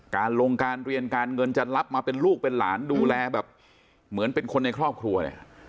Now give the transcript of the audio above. การลงการเรียนการเงินจะรับมาเป็นลูกเป็นหลานดูแลแบบเหมือนเป็นคนในครอบครัวเนี่ย